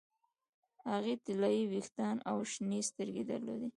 هغې طلايي ویښتان او شنې سترګې درلودې